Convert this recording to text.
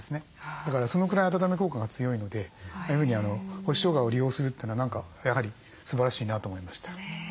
だからそのくらい温め効果が強いのでああいうふうに干ししょうがを利用するというのは何かやはりすばらしいなと思いました。